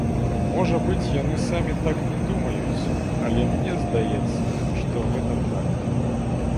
Можа быць, яны самі так не думаюць, але мне здаецца, што гэта так.